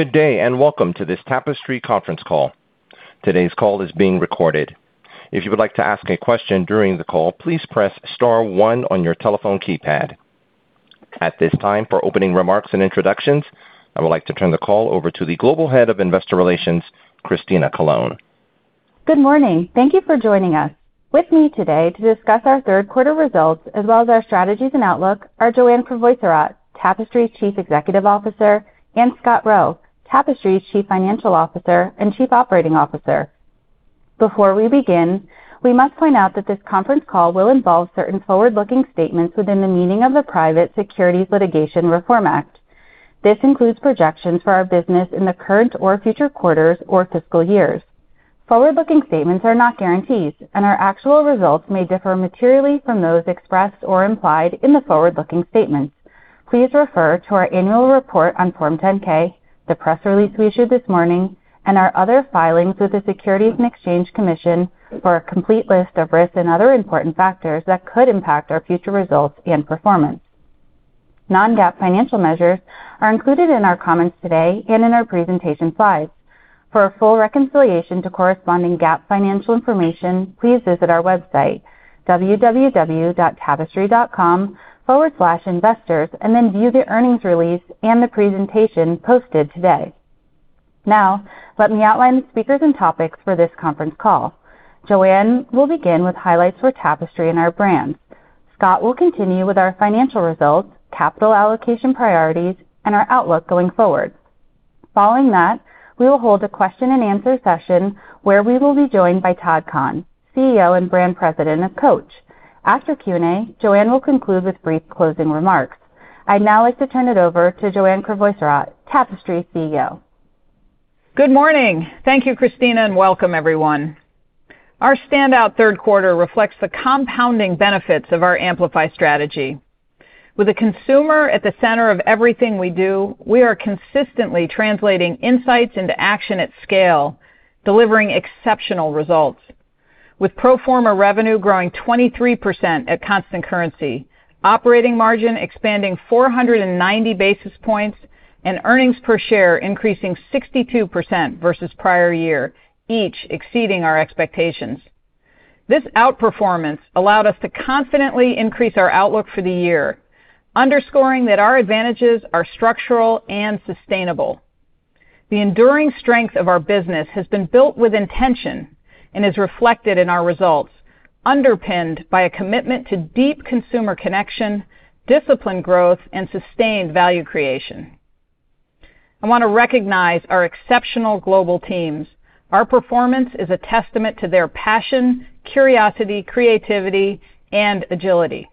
Good day, welcome to this Tapestry conference call. Today's call is being recorded. If you would like to ask a question during the call, please press star one on your telephone keypad. At this time, for opening remarks and introductions, I would like to turn the call over to the Global Head of Investor Relations, Christina Colone. Good morning. Thank you for joining us. With me today to discuss our third quarter results as well as our strategies and outlook are Joanne Crevoiserat, Tapestry's Chief Executive Officer, and Scott Roe, Tapestry's Chief Financial Officer and Chief Operating Officer. Before we begin, we must point out that this conference call will involve certain forward-looking statements within the meaning of the Private Securities Litigation Reform Act. This includes projections for our business in the current or future quarters or fiscal years. Forward-looking statements are not guarantees, and our actual results may differ materially from those expressed or implied in the forward-looking statements. Please refer to our annual report on Form 10-K, the press release we issued this morning, and our other filings with the Securities and Exchange Commission for a complete list of risks and other important factors that could impact our future results and performance. Non-GAAP financial measures are included in our comments today and in our presentation slides. For a full reconciliation to corresponding GAAP financial information, please visit our website, www.tapestry.com/investors, and then view the earnings release and the presentation posted today. Now, let me outline the speakers and topics for this conference call. Joanne will begin with highlights for Tapestry and our brands. Scott will continue with our financial results, capital allocation priorities, and our outlook going forward. Following that, we will hold a question-and-answer session where we will be joined by Todd Kahn, CEO and Brand President of Coach. After Q&A, Joanne will conclude with brief closing remarks. I'd now like to turn it over to Joanne Crevoiserat, Tapestry's CEO. Good morning. Thank you, Christina, and welcome, everyone. Our standout third quarter reflects the compounding benefits of our Amplify strategy. With the consumer at the center of everything we do, we are consistently translating insights into action at scale, delivering exceptional results. With pro forma revenue growing 23% at constant currency, operating margin expanding 490 basis points, and earnings per share increasing 62% versus prior year, each exceeding our expectations. This outperformance allowed us to confidently increase our outlook for the year, underscoring that our advantages are structural and sustainable. The enduring strength of our business has been built with intention and is reflected in our results, underpinned by a commitment to deep consumer connection, disciplined growth, and sustained value creation. I want to recognize our exceptional global teams. Our performance is a testament to their passion, curiosity, creativity, and agility.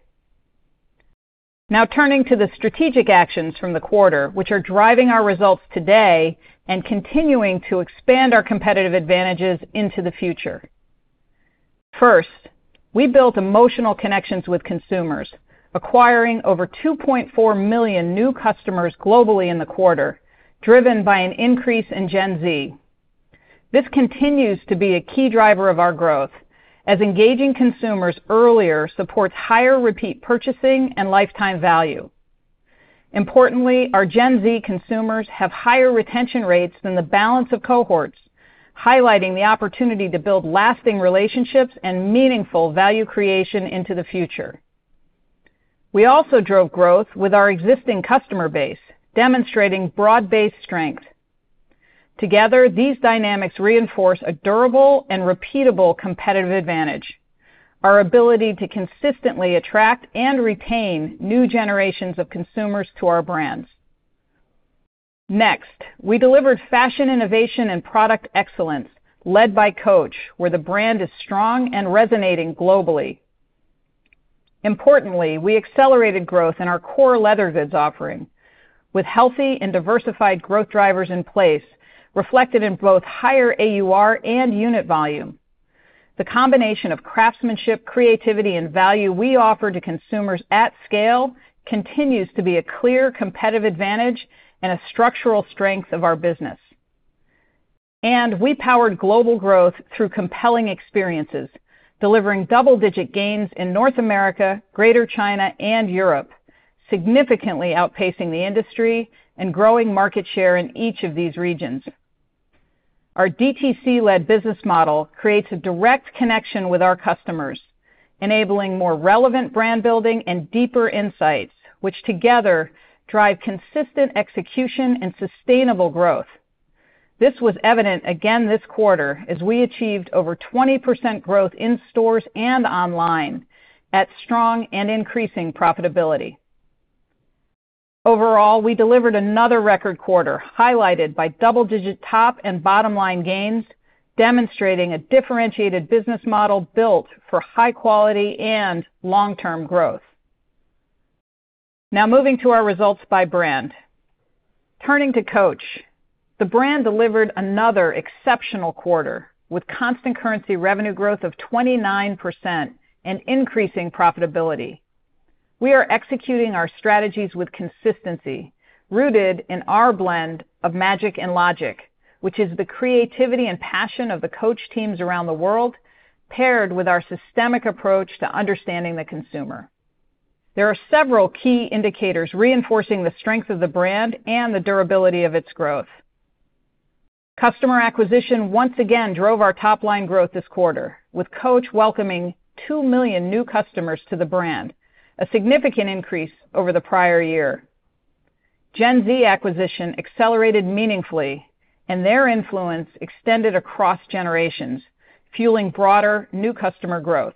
Now, turning to the strategic actions from the quarter, which are driving our results today and continuing to expand our competitive advantages into the future. First, we built emotional connections with consumers, acquiring over $2.4 million new customers globally in the quarter, driven by an increase in Gen Z. This continues to be a key driver of our growth as engaging consumers earlier supports higher repeat purchasing and lifetime value. Importantly, our Gen Z consumers have higher retention rates than the balance of cohorts, highlighting the opportunity to build lasting relationships and meaningful value creation into the future. We also drove growth with our existing customer base, demonstrating broad-based strength. Together, these dynamics reinforce a durable and repeatable competitive advantage, our ability to consistently attract and retain new generations of consumers to our brands. Next, we delivered fashion innovation and product excellence led by Coach, where the brand is strong and resonating globally. Importantly, we accelerated growth in our core leather goods offering with healthy and diversified growth drivers in place reflected in both higher AUR and unit volume. The combination of craftsmanship, creativity, and value we offer to consumers at scale continues to be a clear competitive advantage and a structural strength of our business. We powered global growth through compelling experiences, delivering double-digit gains in North America, Greater China, and Europe, significantly outpacing the industry and growing market share in each of these regions. Our DTC-led business model creates a direct connection with our customers, enabling more relevant brand building and deeper insights, which together drive consistent execution and sustainable growth. This was evident again this quarter as we achieved over 20% growth in stores and online at strong and increasing profitability. Overall, we delivered another record quarter highlighted by double-digit top and bottom-line gains, demonstrating a differentiated business model built for high quality and long-term growth. Moving to our results by brand. Turning to Coach, the brand delivered another exceptional quarter with constant currency revenue growth of 29% and increasing profitability. We are executing our strategies with consistency rooted in our blend of magic and logic, which is the creativity and passion of the Coach teams around the world, paired with our systemic approach to understanding the consumer. There are several key indicators reinforcing the strength of the brand and the durability of its growth. Customer acquisition once again drove our top-line growth this quarter, with Coach welcoming two million new customers to the brand, a significant increase over the prior year. Gen Z acquisition accelerated meaningfully, and their influence extended across generations, fueling broader new customer growth.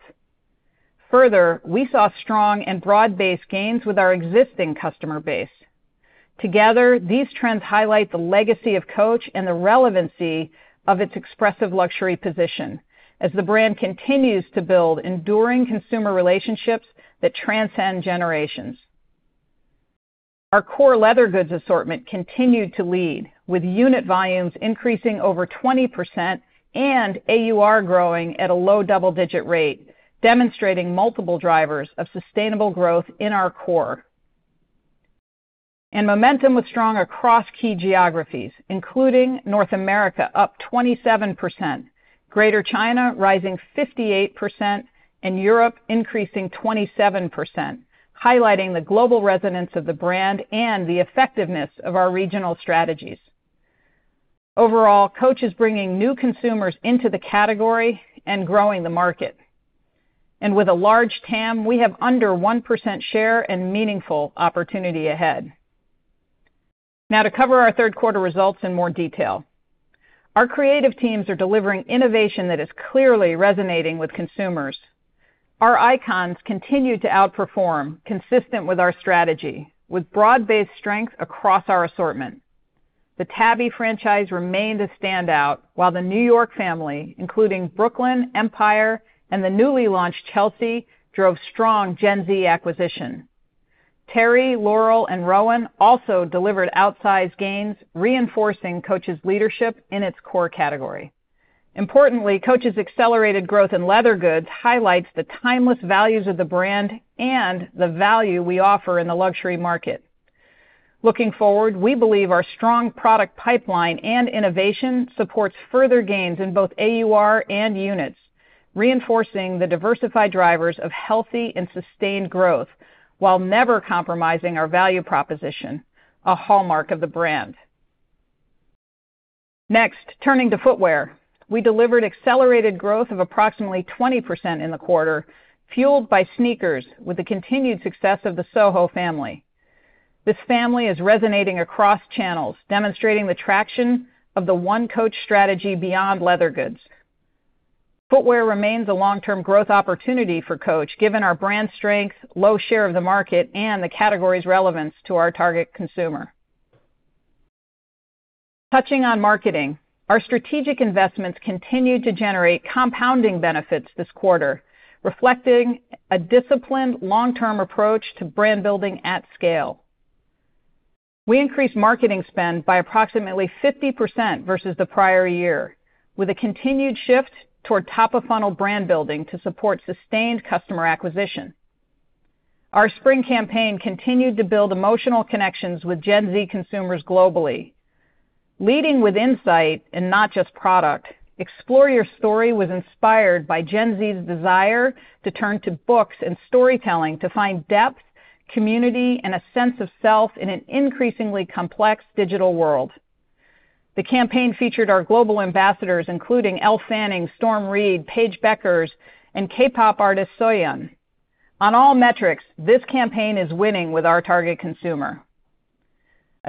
We saw strong and broad-based gains with our existing customer base. These trends highlight the legacy of Coach and the relevancy of its expressive luxury position as the brand continues to build enduring consumer relationships that transcend generations. Our core leather goods assortment continued to lead, with unit volumes increasing over 20% and AUR growing at a low double-digit rate, demonstrating multiple drivers of sustainable growth in our core. Momentum was strong across key geographies, including North America up 27%, Greater China rising 58%, and Europe increasing 27%, highlighting the global resonance of the brand and the effectiveness of our regional strategies. Overall, Coach is bringing new consumers into the category and growing the market. With a large TAM, we have under 1% share and meaningful opportunity ahead. Now to cover our 3rd quarter results in more detail. Our creative teams are delivering innovation that is clearly resonating with consumers. Our icons continued to outperform consistent with our strategy, with broad-based strength across our assortment. The Tabby franchise remained a standout, while the New York family, including Brooklyn, Empire, and the newly launched Chelsea, drove strong Gen Z acquisition. Teri, Laurel, and Rowan also delivered outsized gains, reinforcing Coach's leadership in its core category. Importantly, Coach's accelerated growth in leather goods highlights the timeless values of the brand and the value we offer in the luxury market. Looking forward, we believe our strong product pipeline and innovation supports further gains in both AUR and units, reinforcing the diversified drivers of healthy and sustained growth while never compromising our value proposition, a hallmark of the brand. Next, turning to footwear. We delivered accelerated growth of approximately 20% in the quarter, fueled by sneakers with the continued success of the Soho family. This family is resonating across channels, demonstrating the traction of the One Coach strategy beyond leather goods. Footwear remains a long-term growth opportunity for Coach, given our brand strength, low share of the market, and the category's relevance to our target consumer. Touching on marketing, our strategic investments continued to generate compounding benefits this quarter, reflecting a disciplined long-term approach to brand building at scale. We increased marketing spend by approximately 50% versus the prior year, with a continued shift toward top-of-funnel brand building to support sustained customer acquisition. Our spring campaign continued to build emotional connections with Gen Z consumers globally. Leading with insight and not just product, Explore Your Story was inspired by Gen Z's desire to turn to books and storytelling to find depth, community, and a sense of self in an increasingly complex digital world. The campaign featured our global ambassadors, including Elle Fanning, Storm Reid, Paige Bueckers, and K-pop artist Soyeon. On all metrics, this campaign is winning with our target consumer.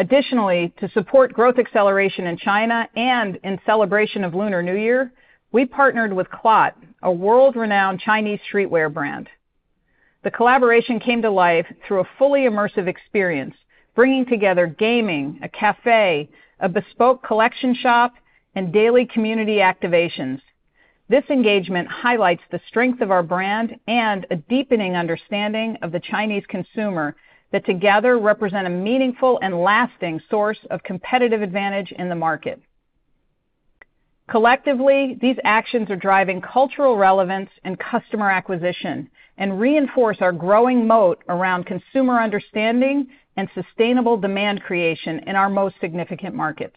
Additionally, to support growth acceleration in China and in celebration of Lunar New Year, we partnered with CLOT, a world-renowned Chinese streetwear brand. The collaboration came to life through a fully immersive experience, bringing together gaming, a cafe, a bespoke collection shop, and daily community activations. This engagement highlights the strength of our brand and a deepening understanding of the Chinese consumer that together represent a meaningful and lasting source of competitive advantage in the market. Collectively, these actions are driving cultural relevance and customer acquisition and reinforce our growing moat around consumer understanding and sustainable demand creation in our most significant markets.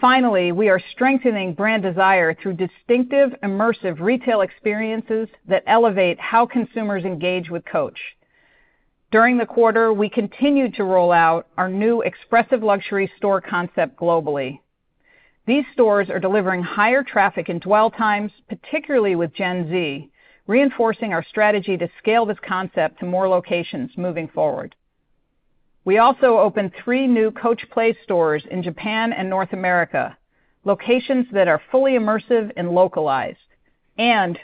Finally, we are strengthening brand desire through distinctive, immersive retail experiences that elevate how consumers engage with Coach. During the quarter, we continued to roll out our new expressive luxury store concept globally. These stores are delivering higher traffic and dwell times, particularly with Gen Z, reinforcing our strategy to scale this concept to more locations moving forward. We also opened three new Coach Play stores in Japan and North America, locations that are fully immersive and localized.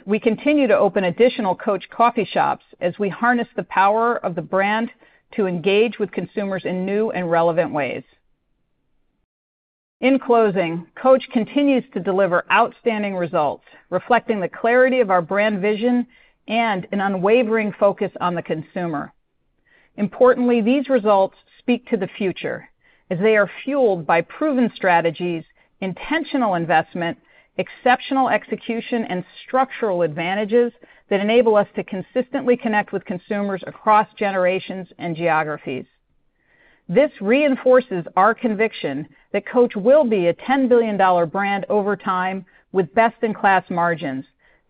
We continue to open additional Coach coffee shops as we harness the power of the brand to engage with consumers in new and relevant ways. In closing, Coach continues to deliver outstanding results, reflecting the clarity of our brand vision and an unwavering focus on the consumer. Importantly, these results speak to the future as they are fueled by proven strategies, intentional investment, exceptional execution, and structural advantages that enable us to consistently connect with consumers across generations and geographies. This reinforces our conviction that Coach will be a 10 billion dollar brand over time with best-in-class margins,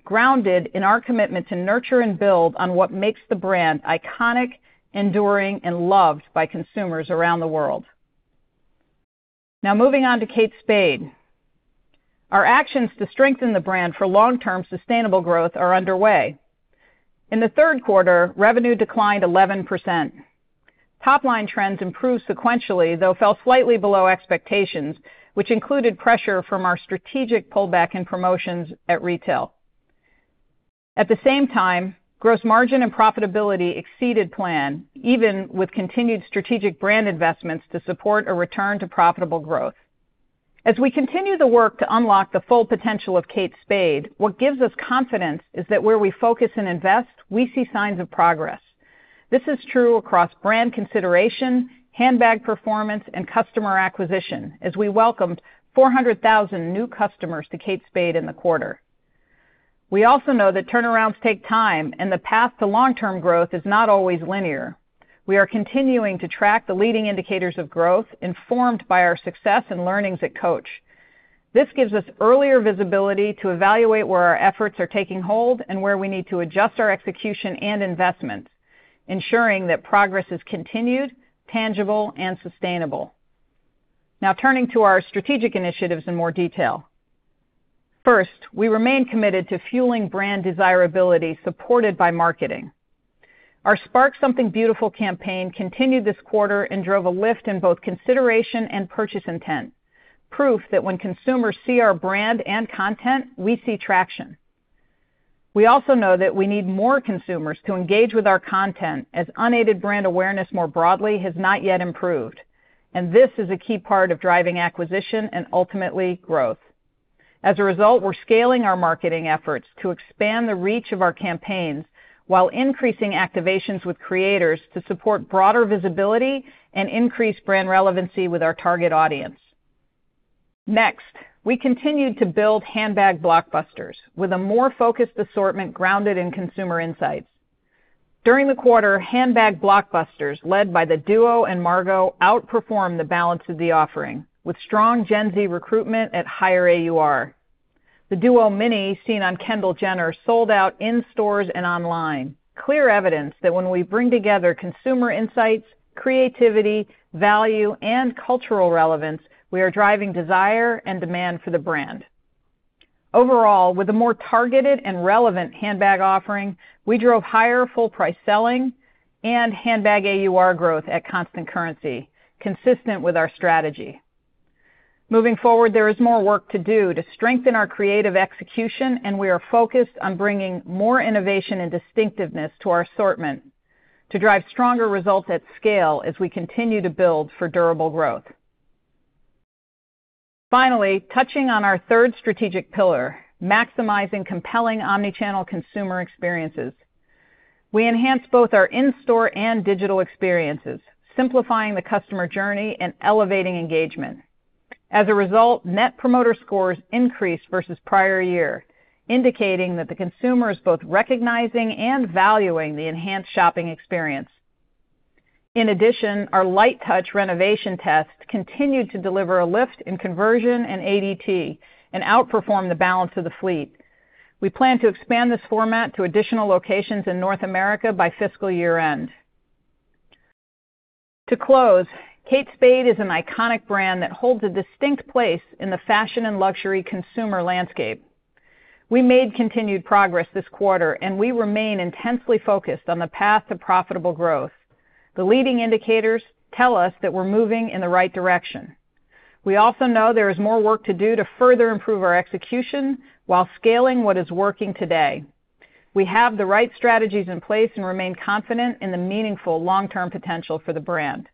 grounded in our commitment to nurture and build on what makes the brand iconic, enduring, and loved by consumers around the world. Now moving on to Kate Spade. Our actions to strengthen the brand for long-term sustainable growth are underway. In the third quarter, revenue declined 11%. Topline trends improved sequentially, though fell slightly below expectations, which included pressure from our strategic pullback in promotions at retail. At the same time, gross margin and profitability exceeded plan, even with continued strategic brand investments to support a return to profitable growth. As we continue the work to unlock the full potential of Kate Spade, what gives us confidence is that where we focus and invest, we see signs of progress. This is true across brand consideration, handbag performance, and customer acquisition as we welcomed 400,000 new customers to Kate Spade in the quarter. We also know that turnarounds take time, and the path to long-term growth is not always linear. We are continuing to track the leading indicators of growth, informed by our success and learnings at Coach. This gives us earlier visibility to evaluate where our efforts are taking hold and where we need to adjust our execution and investments, ensuring that progress is continued, tangible, and sustainable. Turning to our strategic initiatives in more detail. First, we remain committed to fueling brand desirability supported by marketing. Our Spark Something Beautiful campaign continued this quarter and drove a lift in both consideration and purchase intent, proof that when consumers see our brand and content, we see traction. We also know that we need more consumers to engage with our content as unaided brand awareness more broadly has not yet improved. This is a key part of driving acquisition and ultimately growth. As a result, we're scaling our marketing efforts to expand the reach of our campaigns while increasing activations with creators to support broader visibility and increase brand relevancy with our target audience. Next, we continued to build handbag blockbusters with a more focused assortment grounded in consumer insights. During the quarter, handbag blockbusters, led by the Duo and Margaux, outperformed the balance of the offering, with strong Gen Z recruitment at higher AUR. The Duo Mini, seen on Kendall Jenner, sold out in stores and online. Clear evidence that when we bring together consumer insights, creativity, value, and cultural relevance, we are driving desire and demand for the brand. Overall, with a more targeted and relevant handbag offering, we drove higher full-price selling and handbag AUR growth at constant currency, consistent with our strategy. Moving forward, there is more work to do to strengthen our creative execution. We are focused on bringing more innovation and distinctiveness to our assortment to drive stronger results at scale as we continue to build for durable growth. Finally, touching on our third strategic pillar, maximizing compelling omni-channel consumer experiences. We enhanced both our in-store and digital experiences, simplifying the customer journey and elevating engagement. As a result, Net Promoter Scores increased versus prior year, indicating that the consumer is both recognizing and valuing the enhanced shopping experience. In addition, our light-touch renovation tests continued to deliver a lift in conversion and ADT and outperformed the balance of the fleet. We plan to expand this format to additional locations in North America by fiscal year-end. To close, Kate Spade is an iconic brand that holds a distinct place in the fashion and luxury consumer landscape. We made continued progress this quarter, and we remain intensely focused on the path to profitable growth. The leading indicators tell us that we're moving in the right direction. We also know there is more work to do to further improve our execution while scaling what is working today. We have the right strategies in place and remain confident in the meaningful long-term potential for the brand.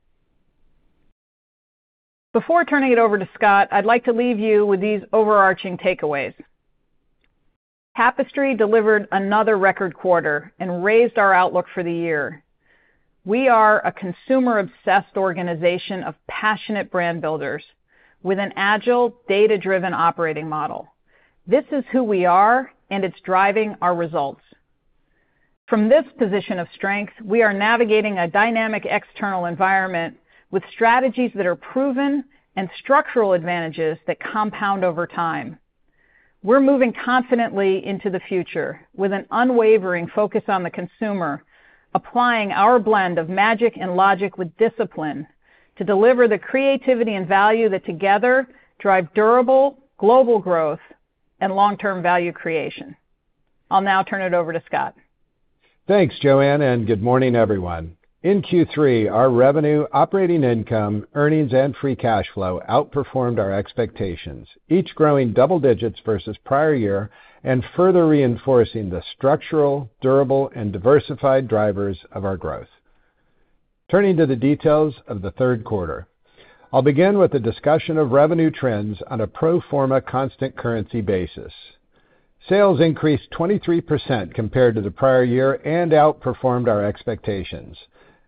Before turning it over to Scott, I'd like to leave you with these overarching takeaways. Tapestry delivered another record quarter and raised our outlook for the year. We are a consumer-obsessed organization of passionate brand builders with an agile, data-driven operating model. This is who we are, and it's driving our results. From this position of strength, we are navigating a dynamic external environment with strategies that are proven and structural advantages that compound over time. We're moving confidently into the future with an unwavering focus on the consumer, applying our blend of magic and logic with discipline to deliver the creativity and value that together drive durable, global growth and long-term value creation. I'll now turn it over to Scott. Thanks, Joanne. Good morning, everyone. In Q3, our revenue, operating income, earnings, and free cash flow outperformed our expectations, each growing double digits versus prior year and further reinforcing the structural, durable, and diversified drivers of our growth. Turning to the details of the third quarter. I'll begin with a discussion of revenue trends on a pro forma constant currency basis. Sales increased 23% compared to the prior year and outperformed our expectations.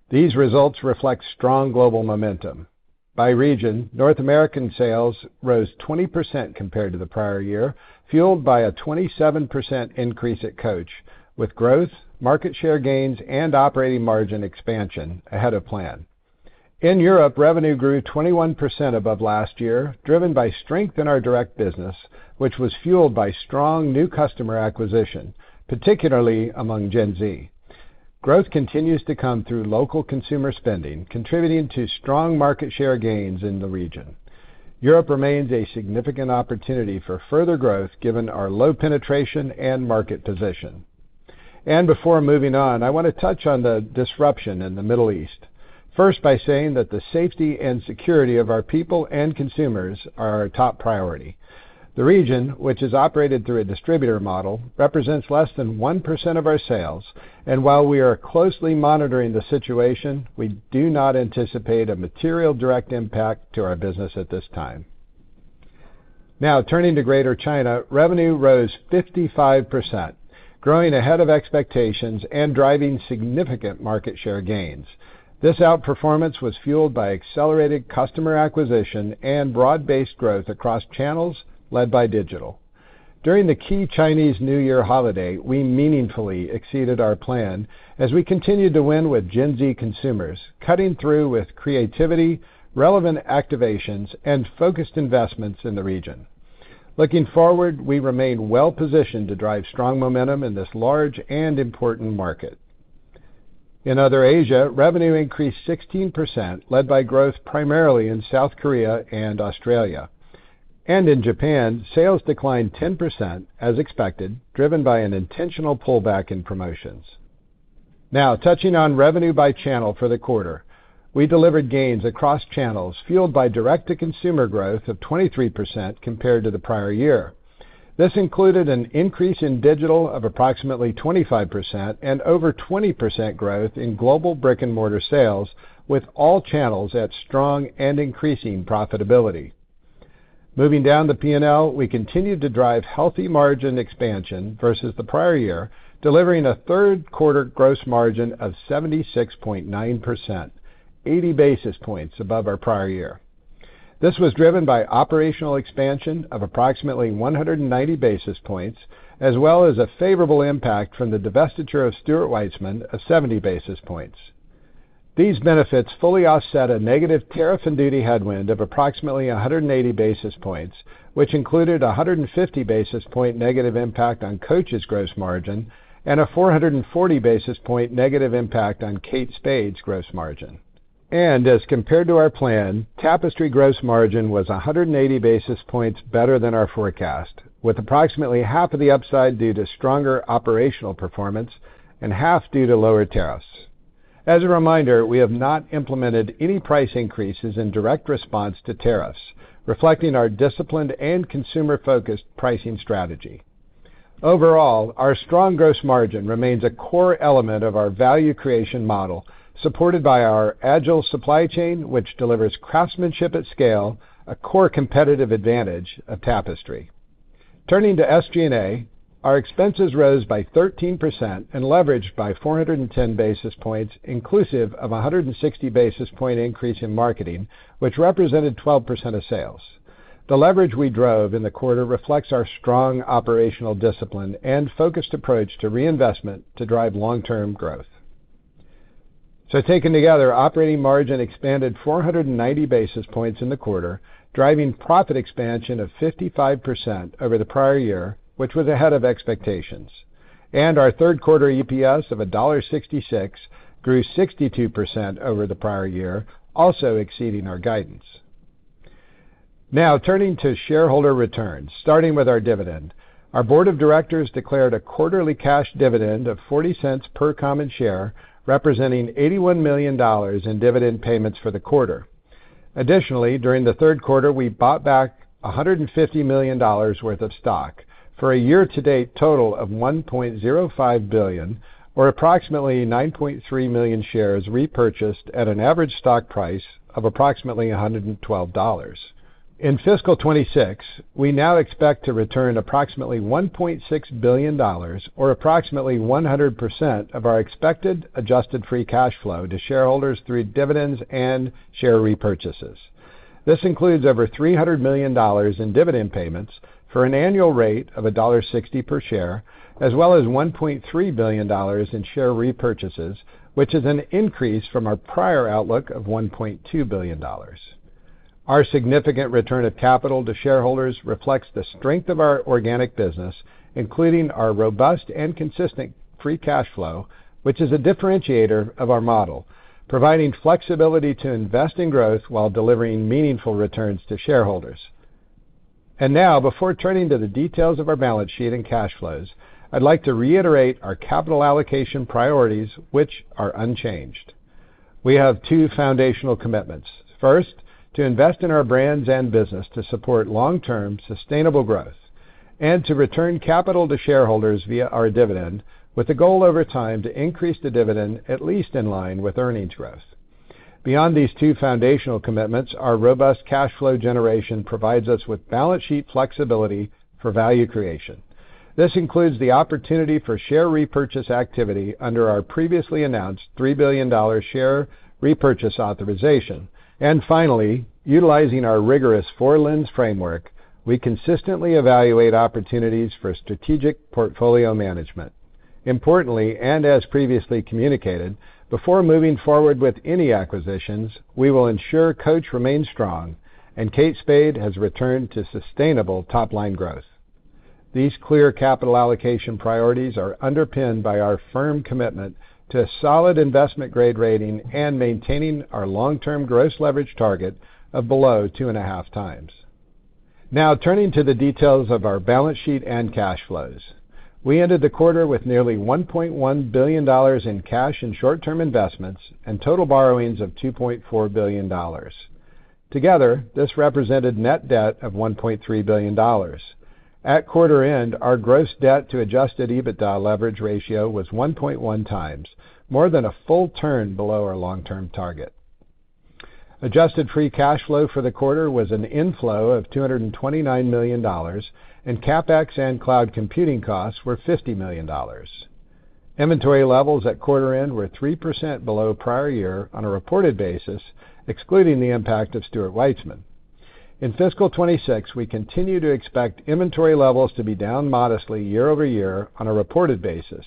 These results reflect strong global momentum. By region, North American sales rose 20% compared to the prior year, fueled by a 27% increase at Coach, with growth, market share gains and operating margin expansion ahead of plan. In Europe, revenue grew 21% above last year, driven by strength in our direct business, which was fueled by strong new customer acquisition, particularly among Gen Z. Growth continues to come through local consumer spending, contributing to strong market share gains in the region. Europe remains a significant opportunity for further growth given our low penetration and market position. Before moving on, I wanna touch on the disruption in the Middle East. First, by saying that the safety and security of our people and consumers are our top priority. The region, which is operated through a distributor model, represents less than 1% of our sales. While we are closely monitoring the situation, we do not anticipate a material direct impact to our business at this time. Now, turning to Greater China, revenue rose 55%, growing ahead of expectations and driving significant market share gains. This outperformance was fueled by accelerated customer acquisition and broad-based growth across channels led by digital. During the key Chinese New Year holiday, we meaningfully exceeded our plan as we continued to win with Gen Z consumers, cutting through with creativity, relevant activations, and focused investments in the region. Looking forward, we remain well-positioned to drive strong momentum in this large and important market. In other Asia, revenue increased 16%, led by growth primarily in South Korea and Australia. In Japan, sales declined 10% as expected, driven by an intentional pullback in promotions. Now, touching on revenue by channel for the quarter. We delivered gains across channels, fueled by direct-to-consumer growth of 23% compared to the prior year. This included an increase in digital of approximately 25% and over 20% growth in global brick-and-mortar sales, with all channels at strong and increasing profitability. Moving down the P&L, we continued to drive healthy margin expansion versus the prior year, delivering a third quarter gross margin of 76.9%, 80 basis points above our prior year. This was driven by operational expansion of approximately 190 basis points, as well as a favorable impact from the divestiture of Stuart Weitzman of 70 basis points. These benefits fully offset a negative tariff and duty headwind of approximately 180 basis points, which included 150 basis point negative impact on Coach's gross margin and a 440 basis point negative impact on Kate Spade's gross margin. As compared to our plan, Tapestry gross margin was 180 basis points better than our forecast, with approximately half of the upside due to stronger operational performance and half due to lower tariffs. As a reminder, we have not implemented any price increases in direct response to tariffs, reflecting our disciplined and consumer-focused pricing strategy. Overall, our strong gross margin remains a core element of our value creation model, supported by our agile supply chain, which delivers craftsmanship at scale, a core competitive advantage of Tapestry. Turning to SG&A, our expenses rose by 13% and leveraged by 410 basis points, inclusive of 160 basis point increase in marketing, which represented 12% of sales. The leverage we drove in the quarter reflects our strong operational discipline and focused approach to reinvestment to drive long-term growth. Taken together, operating margin expanded 490 basis points in the quarter, driving profit expansion of 55% over the prior year, which was ahead of expectations. Our third quarter EPS of $1.66 grew 62% over the prior year, also exceeding our guidance. Now, turning to shareholder returns. Starting with our dividend, our board of directors declared a quarterly cash dividend of $0.40 per common share, representing $81 million in dividend payments for the quarter. Additionally, during the third quarter, we bought back $150 million worth of stock for a year-to-date total of $1.05 billion or approximately 9.3 million shares repurchased at an average stock price of approximately $112. In fiscal 2026, we now expect to return approximately $1.6 billion or approximately 100% of our expected adjusted free cash flow to shareholders through dividends and share repurchases. This includes over $300 million in dividend payments for an annual rate of $1.60 per share, as well as $1.3 billion in share repurchases, which is an increase from our prior outlook of $1.2 billion. Our significant return of capital to shareholders reflects the strength of our organic business, including our robust and consistent free cash flow, which is a differentiator of our model, providing flexibility to invest in growth while delivering meaningful returns to shareholders. Now, before turning to the details of our balance sheet and cash flows, I'd like to reiterate our capital allocation priorities, which are unchanged. We have two foundational commitments. To invest in our brands and business to support long-term sustainable growth, and to return capital to shareholders via our dividend with a goal over time to increase the dividend at least in line with earnings growth. Beyond these two foundational commitments, our robust cash flow generation provides us with balance sheet flexibility for value creation. This includes the opportunity for share repurchase activity under our previously announced $3 billion share repurchase authorization. Finally, utilizing our rigorous four-lens framework, we consistently evaluate opportunities for strategic portfolio management. Importantly, and as previously communicated, before moving forward with any acquisitions, we will ensure Coach remains strong and Kate Spade has returned to sustainable top-line growth. These clear capital allocation priorities are underpinned by our firm commitment to a solid investment-grade rating and maintaining our long-term gross leverage target of below 2.5x. Now turning to the details of our balance sheet and cash flows. We ended the quarter with nearly $1.1 billion in cash and short-term investments and total borrowings of $2.4 billion. Together, this represented net debt of $1.3 billion. At quarter end, our gross debt to adjusted EBITDA leverage ratio was 1.1x, more than a full turn below our long-term target. Adjusted free cash flow for the quarter was an inflow of $229 million, and CapEx and cloud computing costs were $50 million. Inventory levels at quarter end were 3% below prior year on a reported basis, excluding the impact of Stuart Weitzman. In fiscal 2026, we continue to expect inventory levels to be down modestly year-over-year on a reported basis.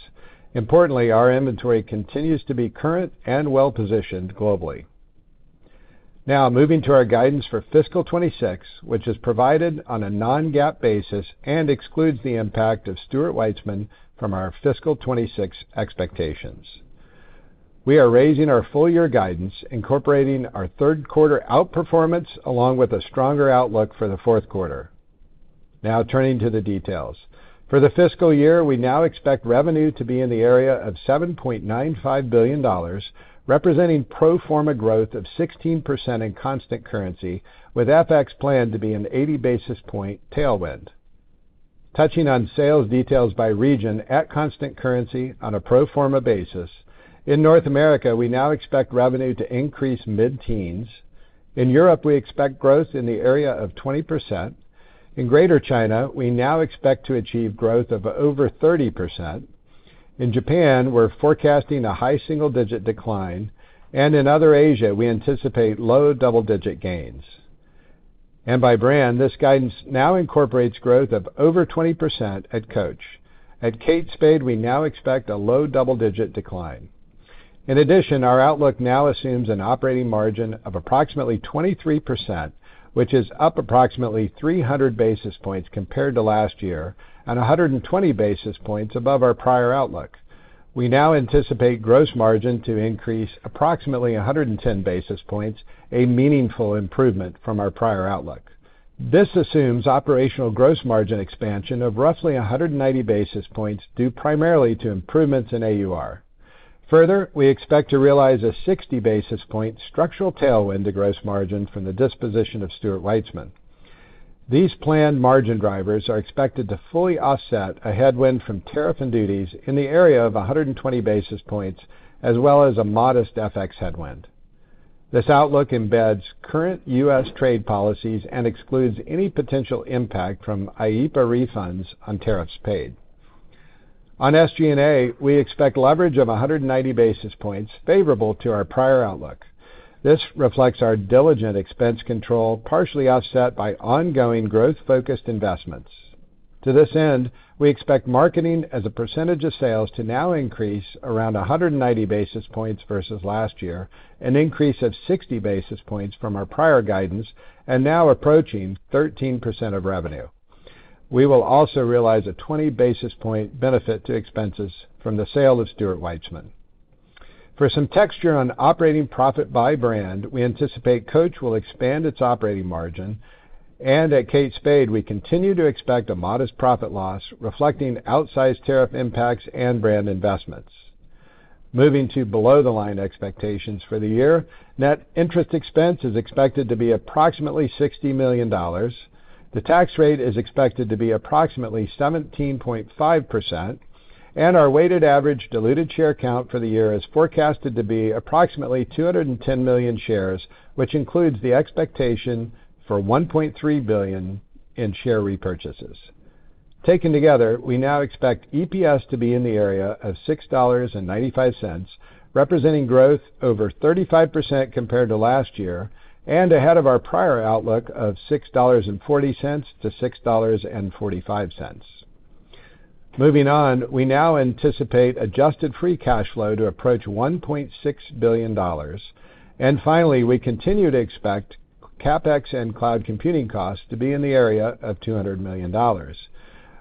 Importantly, our inventory continues to be current and well-positioned globally. Now moving to our guidance for fiscal 2026, which is provided on a non-GAAP basis and excludes the impact of Stuart Weitzman from our fiscal 2026 expectations. We are raising our full year guidance, incorporating our third quarter outperformance along with a stronger outlook for the fourth quarter. Now turning to the details. For the fiscal year, we now expect revenue to be in the area of $7.95 billion, representing pro forma growth of 16% in constant currency, with FX planned to be an 80 basis point tailwind. Touching on sales details by region at constant currency on a pro forma basis, in North America, we now expect revenue to increase mid-teens. In Europe, we expect growth in the area of 20%. In Greater China, we now expect to achieve growth of over 30%. In Japan, we're forecasting a high single-digit decline. In other Asia, we anticipate low double-digit gains. By brand, this guidance now incorporates growth of over 20% at Coach. At Kate Spade, we now expect a low double-digit decline. In addition, our outlook now assumes an operating margin of approximately 23%, which is up approximately 300 basis points compared to last year and 120 basis points above our prior outlook. We now anticipate gross margin to increase approximately 110 basis points, a meaningful improvement from our prior outlook. This assumes operational gross margin expansion of roughly 190 basis points, due primarily to improvements in AUR. Further, we expect to realize a 60 basis point structural tailwind to gross margin from the disposition of Stuart Weitzman. These planned margin drivers are expected to fully offset a headwind from tariff and duties in the area of 120 basis points, as well as a modest FX headwind. This outlook embeds current U.S. trade policies and excludes any potential impact from IEEPA refunds on tariffs paid. On SG&A, we expect leverage of 190 basis points favorable to our prior outlook. This reflects our diligent expense control, partially offset by ongoing growth-focused investments. To this end, we expect marketing as a percentage of sales to now increase around 190 basis points versus last year, an increase of 60 basis points from our prior guidance and now approaching 13% of revenue. We will also realize a 20 basis point benefit to expenses from the sale of Stuart Weitzman. For some texture on operating profit by brand, we anticipate Coach will expand its operating margin. At Kate Spade, we continue to expect a modest profit loss, reflecting outsized tariff impacts and brand investments. Moving to below-the-line expectations for the year, net interest expense is expected to be approximately $60 million. The tax rate is expected to be approximately 17.5%, and our weighted average diluted share count for the year is forecasted to be approximately 210 million shares, which includes the expectation for $1.3 billion in share repurchases. Taken together, we now expect EPS to be in the area of $6.95, representing growth over 35% compared to last year and ahead of our prior outlook of $6.40-$6.45. Moving on, we now anticipate adjusted free cash flow to approach $1.6 billion. Finally, we continue to expect CapEx and cloud computing costs to be in the area of $200 million.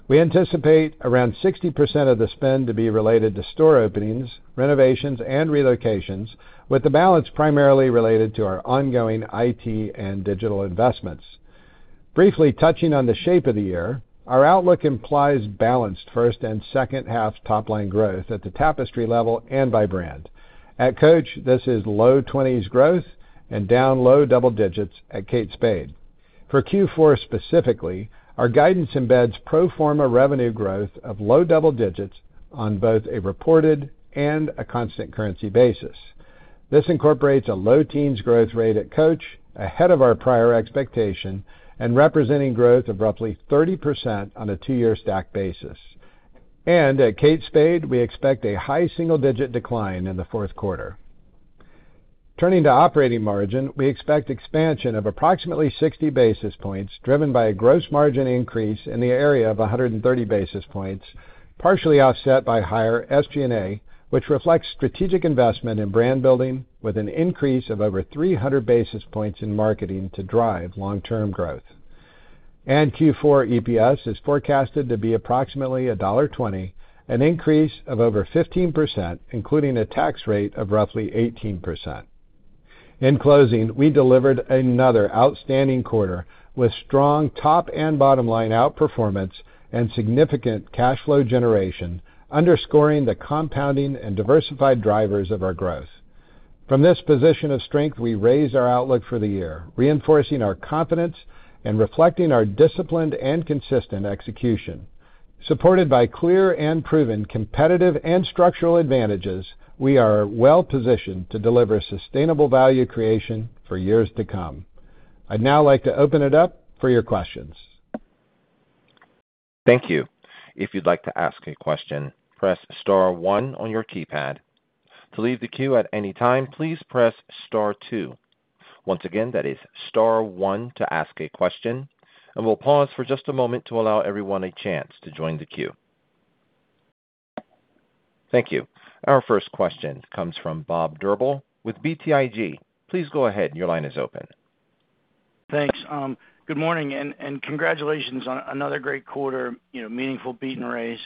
We anticipate around 60% of the spend to be related to store openings, renovations, and relocations, with the balance primarily related to our ongoing IT and digital investments. Briefly touching on the shape of the year, our outlook implies balanced first and second half top-line growth at the Tapestry level and by brand. At Coach, this is low 20s growth and down low double-digits at Kate Spade. For Q4 specifically, our guidance embeds pro forma revenue growth of low double-digits on both a reported and a constant currency basis. This incorporates a low teens growth rate at Coach, ahead of our prior expectation, and representing growth of roughly 30% on a two-year stack basis. At Kate Spade, we expect a high single-digit decline in the fourth quarter. Turning to operating margin, we expect expansion of approximately 60 basis points, driven by a gross margin increase in the area of 130 basis points, partially offset by higher SG&A, which reflects strategic investment in brand building with an increase of over 300 basis points in marketing to drive long-term growth. Q4 EPS is forecasted to be approximately $1.20, an increase of over 15%, including a tax rate of roughly 18%. In closing, we delivered another outstanding quarter with strong top and bottom line outperformance and significant cash flow generation, underscoring the compounding and diversified drivers of our growth. From this position of strength, we raise our outlook for the year, reinforcing our confidence and reflecting our disciplined and consistent execution. Supported by clear and proven competitive and structural advantages, we are well-positioned to deliver sustainable value creation for years to come. I'd now like to open it up for your questions. Our first question comes from Bob Drbul with BTIG. Please go ahead. Your line is open. Thanks. Good morning, and congratulations on another great quarter, you know, meaningful beat and raise.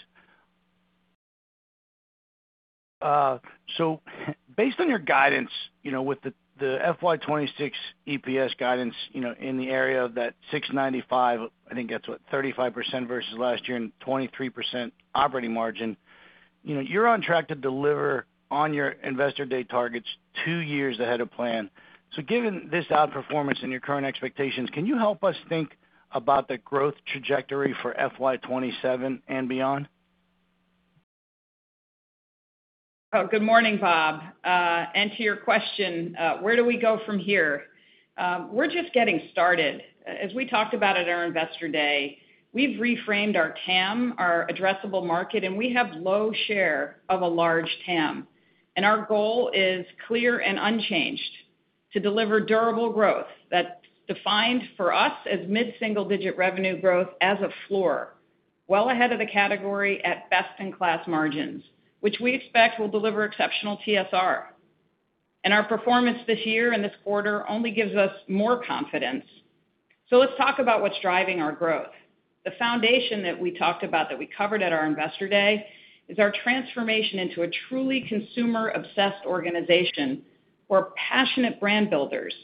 Based on your guidance, you know, with the FY 2026 EPS guidance, you know, in the area of that $6.95, I think that's, what, 35% versus last year and 23% operating margin. You know, you're on track to deliver on your Investor Day targets two years ahead of plan. Given this outperformance and your current expectations, can you help us think about the growth trajectory for FY 2027 and beyond? Good morning, Bob. To your question, where do we go from here? We're just getting started. As we talked about at our Investor Day, we've reframed our TAM, our addressable market, and we have low share of a large TAM. Our goal is clear and unchanged: to deliver durable growth. That's defined for us as mid-single-digit revenue growth as a floor, well ahead of the category at best-in-class margins, which we expect will deliver exceptional TSR. Our performance this year and this quarter only gives us more confidence. Let's talk about what's driving our growth. The foundation that we talked about, that we covered at our Investor Day, is our transformation into a truly consumer-obsessed organization. We're passionate brand builders,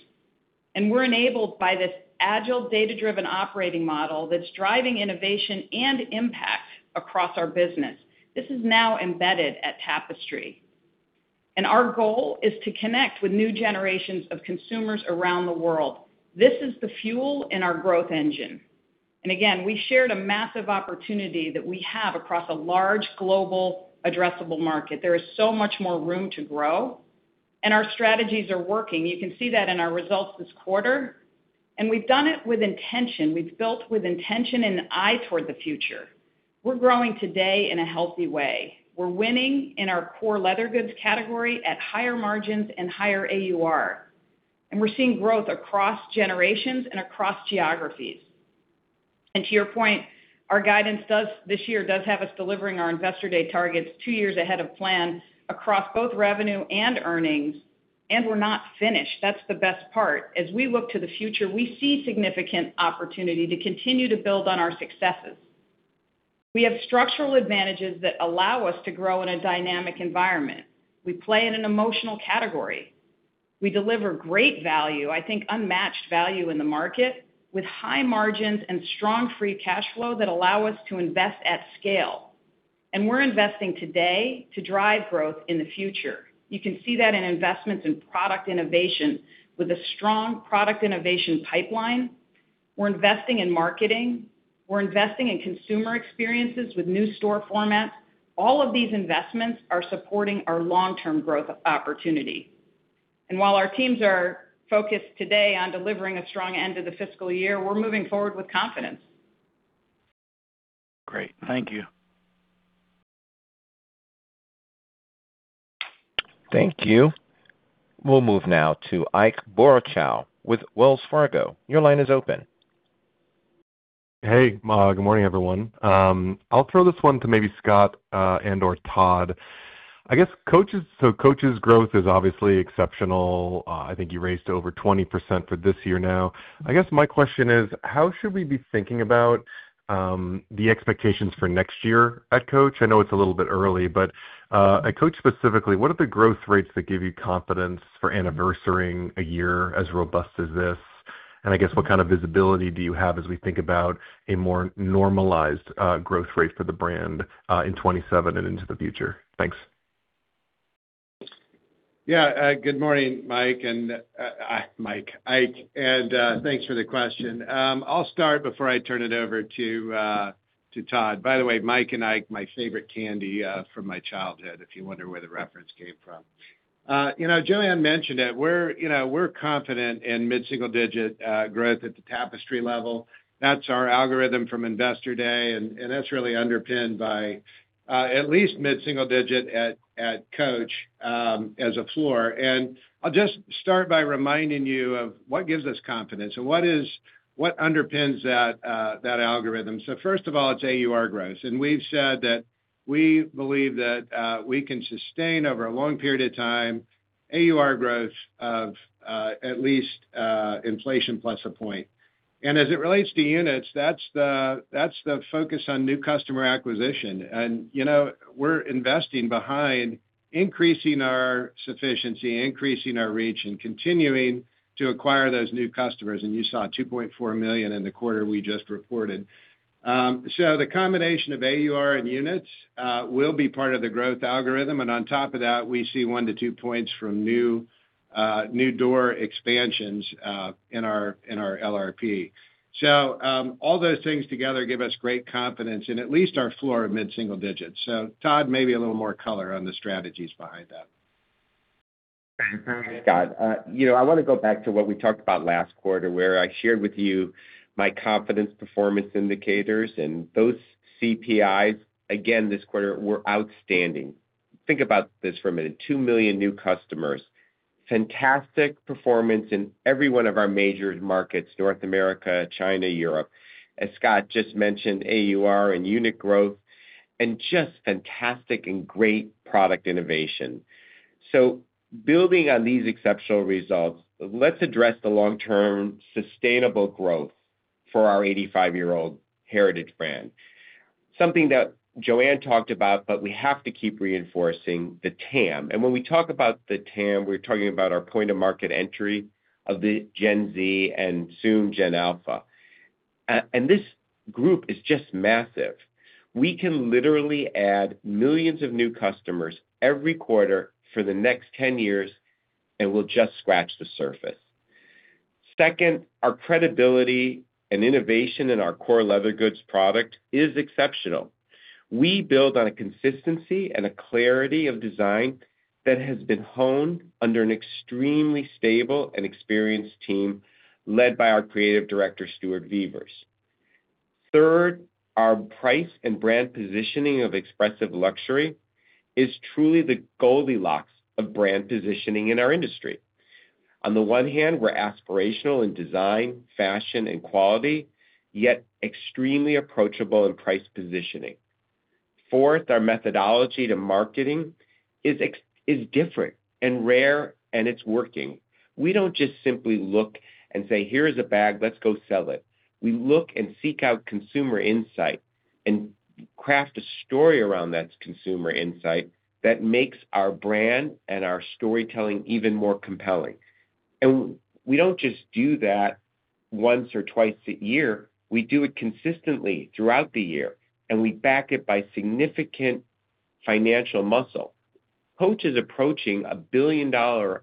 and we're enabled by this agile, data-driven operating model that's driving innovation and impact across our business. This is now embedded at Tapestry. Our goal is to connect with new generations of consumers around the world. This is the fuel in our growth engine. Again, we shared a massive opportunity that we have across a large global addressable market. There is so much more room to grow, and our strategies are working. You can see that in our results this quarter, and we've done it with intention. We've built with intention and an eye toward the future. We're growing today in a healthy way. We're winning in our core leather goods category at higher margins and higher AUR. We're seeing growth across generations and across geographies. To your point, our guidance this year does have us delivering our Investor Day targets two years ahead of plan across both revenue and earnings, and we're not finished. That's the best part. As we look to the future, we see significant opportunity to continue to build on our successes. We have structural advantages that allow us to grow in a dynamic environment. We play in an emotional category. We deliver great value, I think unmatched value in the market, with high margins and strong free cash flow that allow us to invest at scale. We're investing today to drive growth in the future. You can see that in investments in product innovation with a strong product innovation pipeline. We're investing in marketing. We're investing in consumer experiences with new store formats. All of these investments are supporting our long-term growth opportunity. While our teams are focused today on delivering a strong end to the fiscal year, we're moving forward with confidence. Great. Thank you. Thank you. We'll move now to Ike Boruchow with Wells Fargo. Your line is open. Hey, good morning, everyone. I'll throw this one to maybe Scott and/or Todd. I guess Coach's growth is obviously exceptional. I think you raised over 20% for this year now. I guess my question is, how should we be thinking about the expectations for next year at Coach? I know it's a little bit early, but at Coach specifically, what are the growth rates that give you confidence for anniversarying a year as robust as this? I guess, what kind of visibility do you have as we think about a more normalized growth rate for the brand in 2027 and into the future? Thanks. Good morning, Mike, Ike, and thanks for the question. I'll start before I turn it over to Todd. By the way, Mike and Ike, my favorite candy from my childhood, if you wonder where the reference came from. You know, Joanne mentioned that we're, you know, we're confident in mid-single-digit growth at the Tapestry level. That's our algorithm from Investor Day, and that's really underpinned by at least mid-single-digit at Coach as a floor. I'll just start by reminding you of what gives us confidence and what underpins that algorithm. First of all, it's AUR growth. We've said that we believe that we can sustain over a long period of time AUR growth of at least inflation plus a point. As it relates to units, that's the focus on new customer acquisition. You know, we're investing behind increasing our sufficiency, increasing our reach, and continuing to acquire those new customers, and you saw 2.4 million in the quarter we just reported. The combination of AUR and units will be part of the growth algorithm, and on top of that, we see 1-2 points from new door expansions in our LRP. All those things together give us great confidence and at least our floor of mid-single digits. Todd, maybe a little more color on the strategies behind that. Scott, you know, I wanna go back to what we talked about last quarter, where I shared with you my confidence performance indicators, and those CPIs, again, this quarter were outstanding. Think about this for a minute. Two million new customers. Fantastic performance in every one of our major markets, North America, China, Europe. As Scott just mentioned, AUR and unit growth and just fantastic and great product innovation. Building on these exceptional results, let's address the long-term sustainable growth for our 85 year-old heritage brand. Something that Joanne talked about, but we have to keep reinforcing the TAM. When we talk about the TAM, we're talking about our point of market entry of the Gen Z and soon Generation Alpha. This group is just massive. We can literally add millions of new customers every quarter for the next 10 years, and we'll just scratch the surface. Second, our credibility and innovation in our core leather goods product is exceptional. We build on a consistency and a clarity of design that has been honed under an extremely stable and experienced team led by our creative director, Stuart Vevers. Third, our price and brand positioning of expressive luxury is truly the Goldilocks of brand positioning in our industry. On the one hand, we're aspirational in design, fashion, and quality, yet extremely approachable in price positioning. Fourth, our methodology to marketing is different and rare, and it's working. We don't just simply look and say, "Here's a bag. Let's go sell it." We look and seek out consumer insight and craft a story around that consumer insight that makes our brand and our storytelling even more compelling. We don't just do that once or twice a year. We do it consistently throughout the year, and we back it by significant financial muscle. Coach is approaching a $1 billion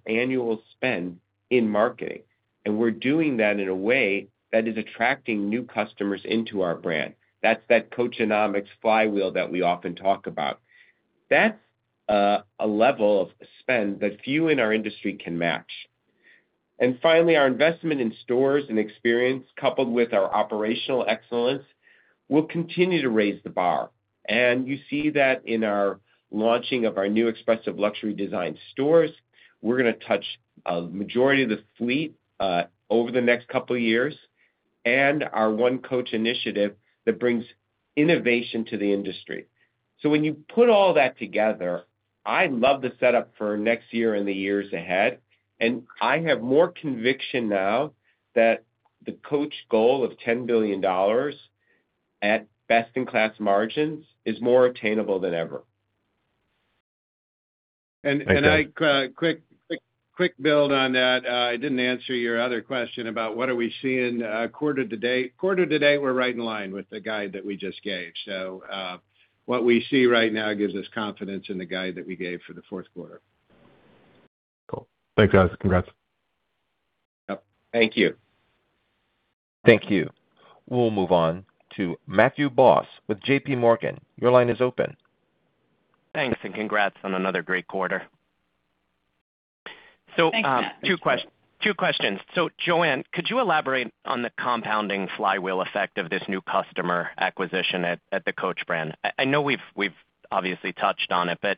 annual spend in marketing, and we're doing that in a way that is attracting new customers into our brand. That's that Coach-onomics flywheel that we often talk about. That's a level of spend that few in our industry can match. Finally, our investment in stores and experience, coupled with our operational excellence, will continue to raise the bar. You see that in our launching of our new expressive luxury design stores. We're gonna touch a majority of the fleet over the next couple of years, and our One Coach initiative that brings innovation to the industry. When you put all that together, I love the setup for next year and the years ahead, and I have more conviction now that the Coach goal of $10 billion at best-in-class margins is more attainable than ever. Ike, quick build on that. I didn't answer your other question about what are we seeing quarter to date. Quarter to date, we're right in line with the guide that we just gave. What we see right now gives us confidence in the guide that we gave for the fourth quarter. Cool. Thanks, guys. Congrats. Yep. Thank you. Thank you. We'll move on to Matthew Boss with JPMorgan. Your line is open. Thanks and congrats on another great quarter. Thanks, Matthew. Two questions. Joanne, could you elaborate on the compounding flywheel effect of this new customer acquisition at the Coach brand? I know we've obviously touched on it, but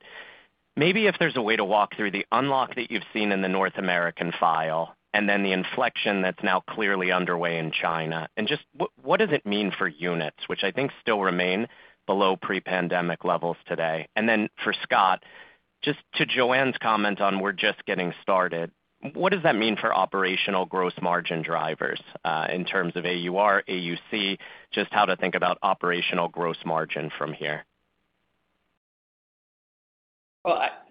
maybe if there's a way to walk through the unlock that you've seen in the North American file and then the inflection that's now clearly underway in China. Just what does it mean for units, which I think still remain below pre-pandemic levels today? For Scott, just to Joanne's comment on we're just getting started, what does that mean for operational gross margin drivers in terms of AUR, AUC, just how to think about operational gross margin from here?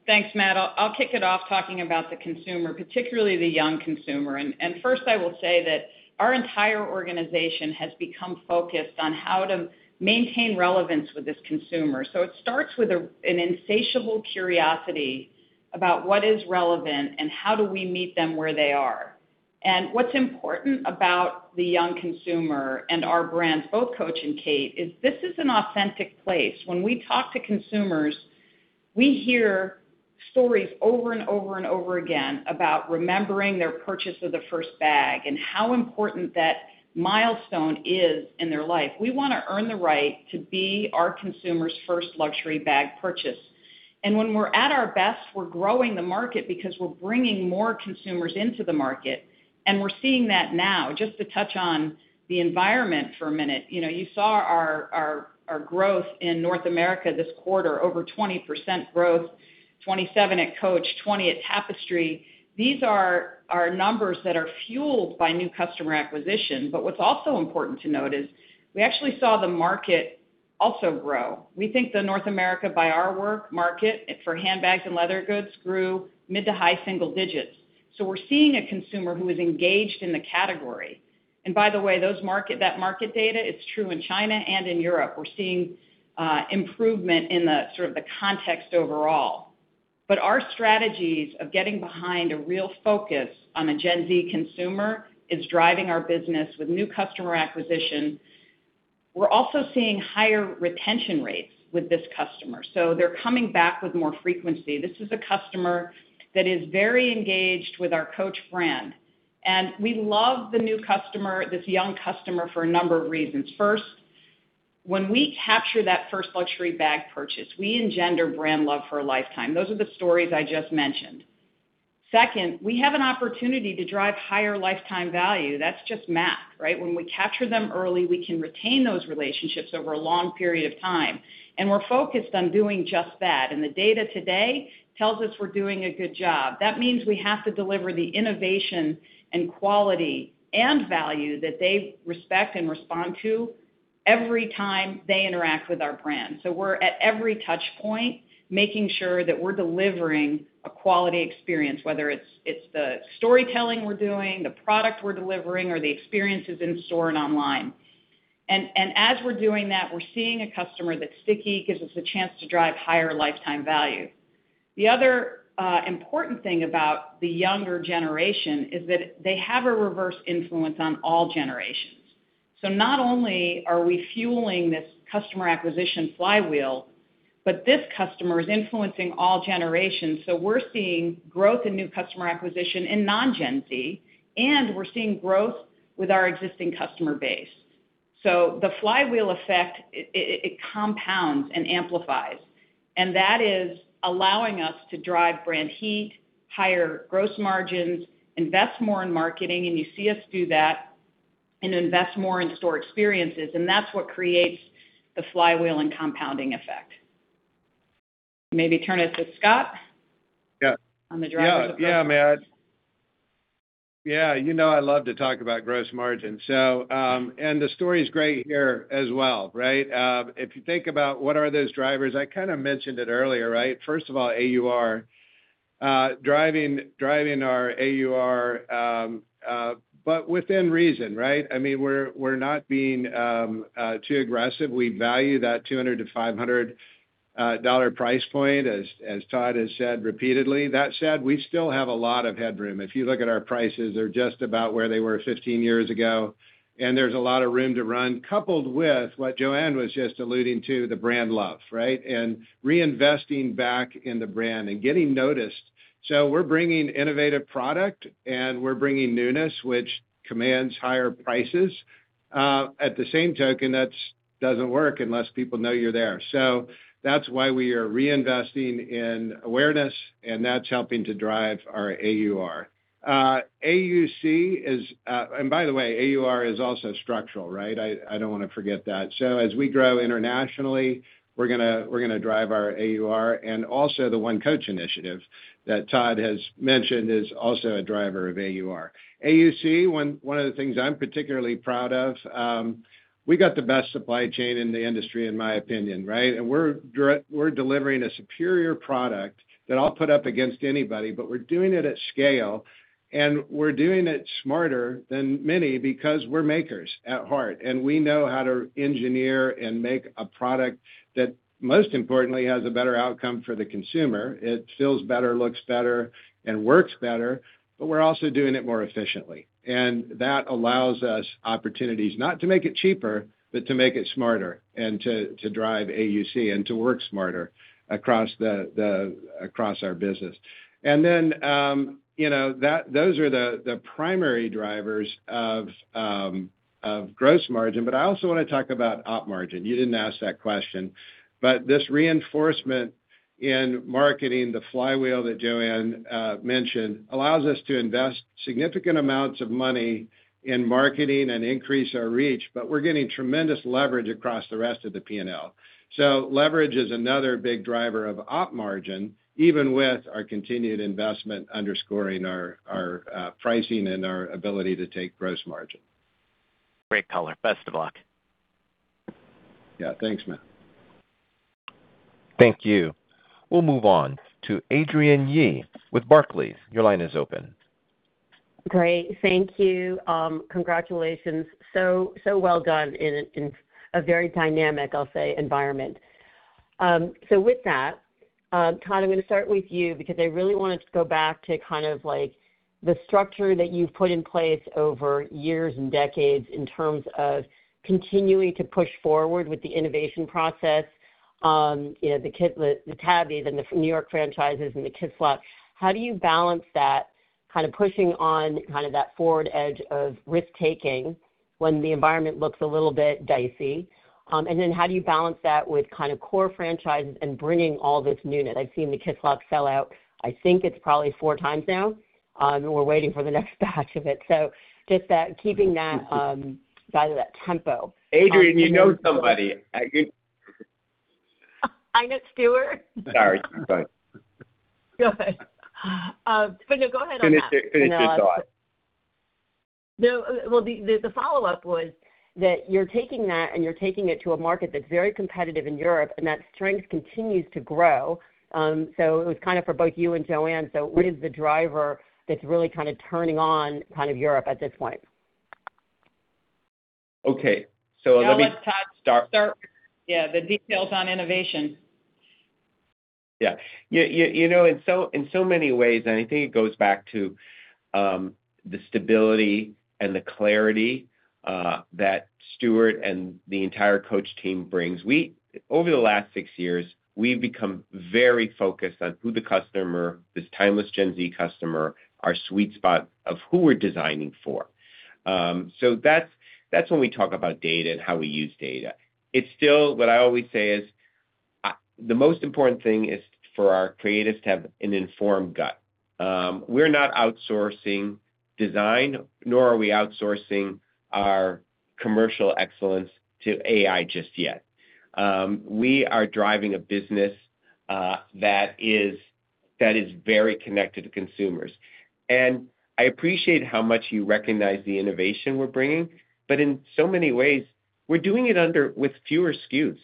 Thanks, Matt. I'll kick it off talking about the consumer, particularly the young consumer. First, I will say that our entire organization has become focused on how to maintain relevance with this consumer. It starts with an insatiable curiosity about what is relevant and how do we meet them where they are. What's important about the young consumer and our brands, both Coach and Kate, is this is an authentic place. When we talk to consumers, we hear stories over and over and over again about remembering their purchase of the first bag and how important that milestone is in their life. We wanna earn the right to be our consumer's first luxury bag purchase. When we're at our best, we're growing the market because we're bringing more consumers into the market, and we're seeing that now. Just to touch on the environment for a minute. You know, you saw our growth in North America this quarter, over 20% growth. 27 at Coach, 20 at Tapestry. These are numbers that are fueled by new customer acquisition. What's also important to note is we actually saw the market also grow. We think the North America buyer market for handbags and leather goods grew mid-to-high single digits. We're seeing a consumer who is engaged in the category. By the way, that market data is true in China and in Europe. We're seeing improvement in the sort of the context overall. Our strategies of getting behind a real focus on a Gen Z consumer is driving our business with new customer acquisition. We're also seeing higher retention rates with this customer. They're coming back with more frequency. This is a customer that is very engaged with our Coach brand. We love the new customer, this young customer, for a number of reasons. First, when we capture that first luxury bag purchase, we engender brand love for a lifetime. Those are the stories I just mentioned. Second, we have an opportunity to drive higher lifetime value. That's just math, right? When we capture them early, we can retain those relationships over a long period of time. We're focused on doing just that. The data today tells us we're doing a good job. That means we have to deliver the innovation and quality and value that they respect and respond to every time they interact with our brand. We're at every touch point, making sure that we're delivering a quality experience, whether it's the storytelling we're doing, the product we're delivering, or the experiences in store and online. As we're doing that, we're seeing a customer that's sticky, gives us a chance to drive higher lifetime value. The other important thing about the younger generation is that they have a reverse influence on all generations. Not only are we fueling this customer acquisition flywheel, but this customer is influencing all generations. We're seeing growth in new customer acquisition in non-Gen Z, and we're seeing growth with our existing customer base. The flywheel effect, it compounds and amplifies, and that is allowing us to drive brand heat, higher gross margins, invest more in marketing, and you see us do that, and invest more in store experiences, and that's what creates the flywheel and compounding effect. Maybe turn it to Scott. Yeah. On the drivers of- Matt, you know I love to talk about gross margin. The story's great here as well, right? If you think about what are those drivers, I kinda mentioned it earlier, right? First of all, AUR. Driving our AUR, but within reason, right? I mean, we're not being too aggressive. We value that $200-$500 price point as Todd has said repeatedly. That said, we still have a lot of headroom. If you look at our prices, they're just about where they were 15 years ago, there's a lot of room to run, coupled with what Joanne was just alluding to, the brand love, right? Reinvesting back in the brand and getting noticed. We're bringing innovative product, we're bringing newness, which commands higher prices. At the same token, that doesn't work unless people know you're there. That's why we are reinvesting in awareness, and that's helping to drive our AUR. AUC is. By the way, AUR is also structural, right? I don't wanna forget that. As we grow internationally, we're gonna drive our AUR. Also the One Coach initiative that Todd has mentioned is also a driver of AUR. AUC, one of the things I'm particularly proud of, we got the best supply chain in the industry, in my opinion, right? We're delivering a superior product that I'll put up against anybody. We're doing it at scale. We're doing it smarter than many because we're makers at heart, and we know how to engineer and make a product that, most importantly, has a better outcome for the consumer. It feels better, looks better, and works better, but we're also doing it more efficiently. That allows us opportunities not to make it cheaper, but to make it smarter and to drive AUC and to work smarter across our business. You know, those are the primary drivers of gross margin, but I also wanna talk about op margin. You didn't ask that question. This reinforcement in marketing, the flywheel that Joanne mentioned, allows us to invest significant amounts of money in marketing and increase our reach. We're getting tremendous leverage across the rest of the P&L. Leverage is another big driver of op margin, even with our continued investment underscoring our pricing and our ability to take gross margin. Great color. Best of luck. Yeah. Thanks, Matt. Thank you. We'll move on to Adrienne Yih with Barclays. Your line is open. Great. Thank you. Congratulations. So well done in a, in a very dynamic, I'll say, environment. With that, Todd, I'm gonna start with you because I really wanted to go back to kind of like the structure that you've put in place over years and decades in terms of continuing to push forward with the innovation process. You know, the Tabby, then the New York franchises, and the Kisslock. How do you balance that kind of pushing on kind of that forward edge of risk-taking when the environment looks a little bit dicey? How do you balance that with kinda core franchises and bringing all this newness? I've seen the Kisslock sell out, I think it's probably four times now. We're waiting for the next batch of it. just that, keeping that, side of that. Adrienne, you know somebody. I know Stuart. Sorry. Go ahead. No, go ahead on that. Finish it. Finish your thought. No, well, the follow-up was that you're taking that, and you're taking it to a market that's very competitive in Europe, and that strength continues to grow. It was kinda for both you and Joanne. What is the driver that's really kinda turning on kind of Europe at this point? Okay. No, let Todd start. start. Yeah, the details on innovation. Yeah. You know, in so many ways, I think it goes back to the stability and the clarity that Stuart and the entire Coach team brings. We, over the last six years, we've become very focused on who the customer, this timeless Gen Z customer, our sweet spot of who we're designing for. That's when we talk about data and how we use data. It's still what I always say is, the most important thing is for our creatives to have an informed gut. We're not outsourcing design, nor are we outsourcing our commercial excellence to AI just yet. We are driving a business that is very connected to consumers. I appreciate how much you recognize the innovation we're bringing, in so many ways, we're doing it with fewer SKUs.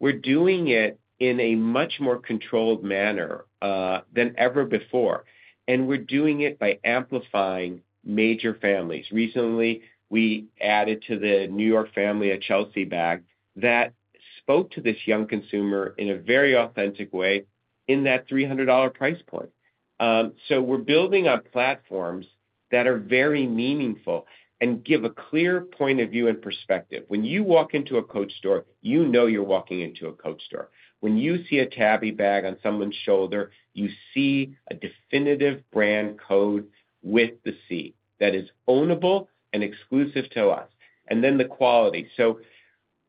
We're doing it in a much more controlled manner than ever before, and we're doing it by amplifying major families. Recently, we added to the New York Collection a Chelsea bag that spoke to this young consumer in a very authentic way in that $300 price point. We're building up platforms that are very meaningful and give a clear point of view and perspective. When you walk into a Coach store, you know you're walking into a Coach store. When you see a Tabby bag on someone's shoulder, you see a definitive brand code with the C that is ownable and exclusive to us, and then the quality.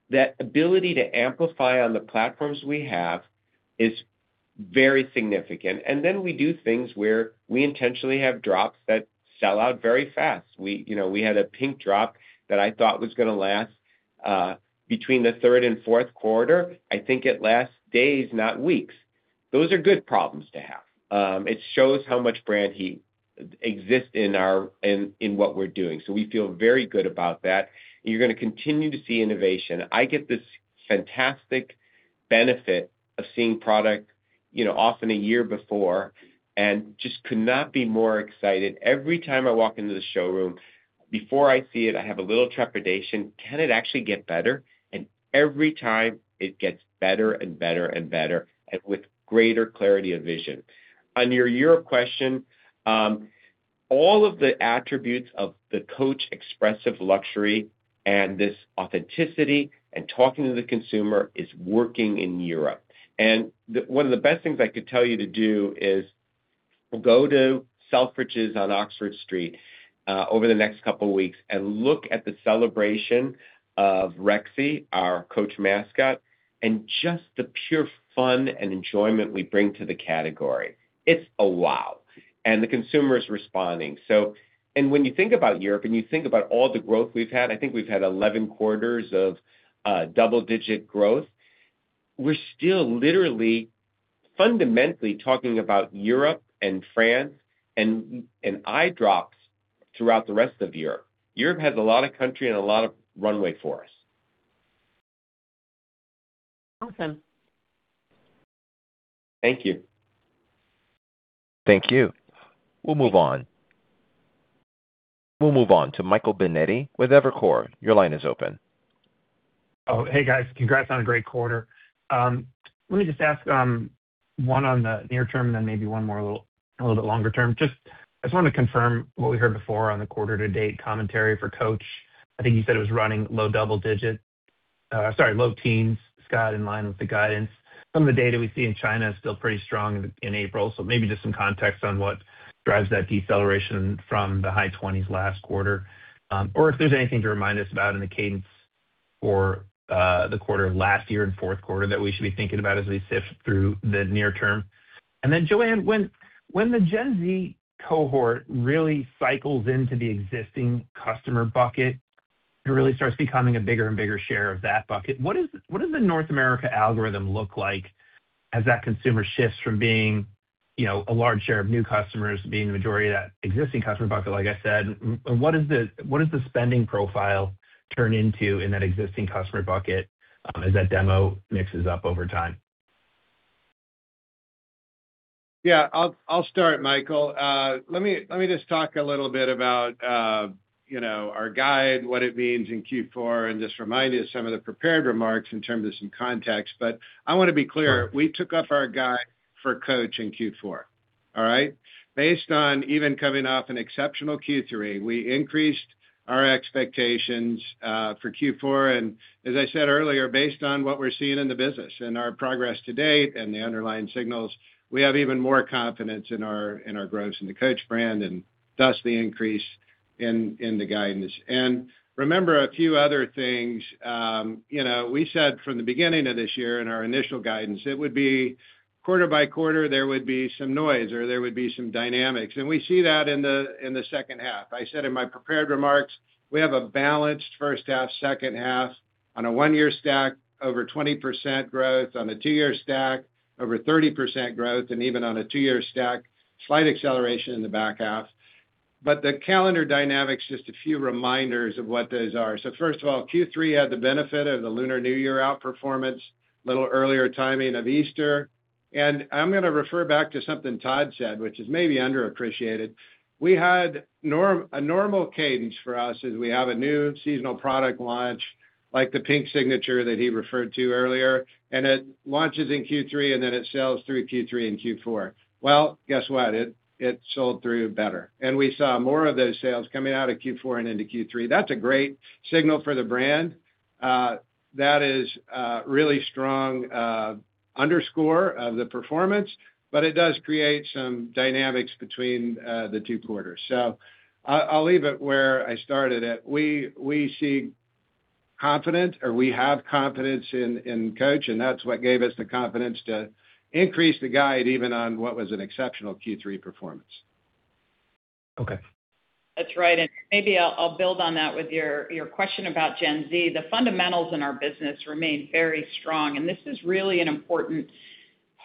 That ability to amplify on the platforms we have is very significant. We do things where we intentionally have drops that sell out very fast. We, you know, we had a pink drop that I thought was gonna last between the third and fourth quarter. I think it last days, not weeks. Those are good problems to have. It shows how much brand heat exists in our in what we're doing, so we feel very good about that. You're gonna continue to see innovation. I get this fantastic benefit of seeing product, you know, often a year before, and just could not be more excited. Every time I walk into the showroom, before I see it, I have a little trepidation. Can it actually get better? Every time, it gets better and better and better and with greater clarity of vision. On your Europe question, all of the attributes of the Coach expressive luxury and this authenticity and talking to the consumer is working in Europe. One of the best things I could tell you to do is go to Selfridges on Oxford Street over the next couple weeks and look at the celebration of Rexy, our Coach mascot, and just the pure fun and enjoyment we bring to the category. It's a wow, the consumer is responding. When you think about Europe, and you think about all the growth we've had, I think we've had 11 quarters of double-digit growth. We're still literally fundamentally talking about Europe and France and eye drops throughout the rest of Europe. Europe has a lot of country and a lot of runway for us. Awesome. Thank you. Thank you. We'll move on. We'll move on to Michael Binetti with Evercore. Your line is open. Hey, guys. Congrats on a great quarter. Let me just ask one on the near term and then maybe one more a little bit longer term. I just wanted to confirm what we heard before on the quarter to date commentary for Coach. I think you said it was running low double digits. Sorry, low teens, Scott Roe, in line with the guidance. Some of the data we see in China is still pretty strong in April, so maybe just some context on what drives that deceleration from the high 20s last quarter, or if there's anything to remind us about in the cadence for the quarter of last year and fourth quarter that we should be thinking about as we sift through the near term. Joanne, when the Gen Z cohort really cycles into the existing customer bucket and really starts becoming a bigger and bigger share of that bucket, what does the North America algorithm look like as that consumer shifts from being, you know, a large share of new customers being the majority of that existing customer bucket, like I said, what does the spending profile turn into in that existing customer bucket as that demo mixes up over time? Yeah, I'll start, Michael. Let me just talk a little bit about, you know, our guide, what it means in Q4, and just remind you of some of the prepared remarks in terms of some context. I wanna be clear, we took up our guide for Coach in Q4. All right? Based on even coming off an exceptional Q3, we increased our expectations for Q4. As I said earlier, based on what we're seeing in the business and our progress to date and the underlying signals, we have even more confidence in our growth in the Coach brand and thus the increase in the guidance. Remember, a few other things, you know, we said from the beginning of this year in our initial guidance, it would be quarter by quarter, there would be some noise or there would be some dynamics. We see that in the, in the second half. I said in my prepared remarks, we have a balanced first half, second half. On a one-year stack, over 20% growth. On a two-year stack, over 30% growth. Even on a two-year stack, slight acceleration in the back half. The calendar dynamics, just a few reminders of what those are. First of all, Q3 had the benefit of the Lunar New Year outperformance, little earlier timing of Easter. I'm gonna refer back to something Todd said, which is maybe underappreciated. A normal cadence for us is we have a new seasonal product launch, like the pink signature that he referred to earlier, and it launches in Q3, and then it sells through Q3 and Q4. Well, guess what? It sold through better. We saw more of those sales coming out of Q4 and into Q3. That's a great signal for the brand. That is a really strong underscore of the performance, but it does create some dynamics between the two quarters. I'll leave it where I started it. We see confident or we have confidence in Coach, and that's what gave us the confidence to increase the guide even on what was an exceptional Q3 performance. Okay. That's right. Maybe I'll build on that with your question about Gen Z. The fundamentals in our business remain very strong, this is really an important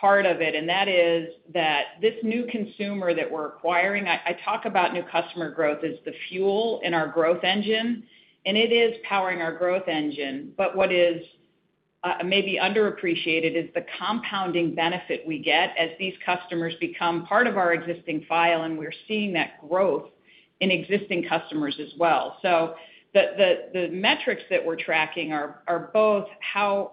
part of it, and that is that this new consumer that we're acquiring I talk about new customer growth as the fuel in our growth engine, and it is powering our growth engine. What is maybe underappreciated is the compounding benefit we get as these customers become part of our existing file, we're seeing that growth in existing customers as well. The metrics that we're tracking are both how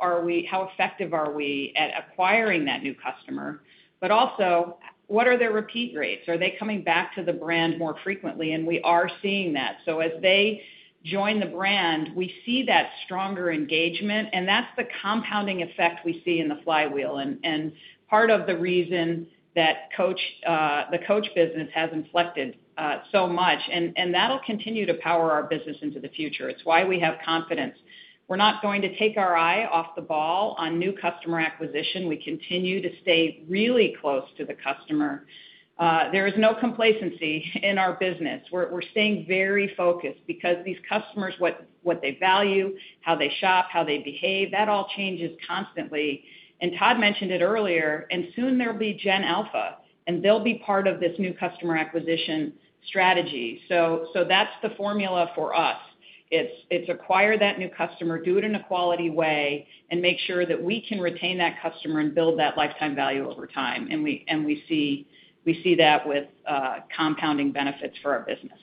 effective are we at acquiring that new customer, but also what are their repeat rates? Are they coming back to the brand more frequently? We are seeing that. As they join the brand, we see that stronger engagement, and that's the compounding effect we see in the flywheel and part of the reason that Coach, the Coach business has inflected so much. That'll continue to power our business into the future. It's why we have confidence. We're not going to take our eye off the ball on new customer acquisition. We continue to stay really close to the customer. There is no complacency in our business. We're staying very focused because these customers, what they value, how they shop, how they behave, that all changes constantly. Todd mentioned it earlier. Soon there'll be Generation Alpha, and they'll be part of this new customer acquisition strategy. That's the formula for us. It's acquire that new customer, do it in a quality way, and make sure that we can retain that customer and build that lifetime value over time. We see that with compounding benefits for our business.